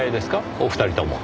お二人とも。